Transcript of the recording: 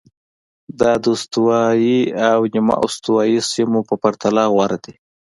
دا د استوایي او نیمه استوایي سیمو په پرتله غوره دي.